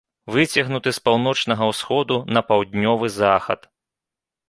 Выцягнуты з паўночнага ўсходу на паўднёвы захад.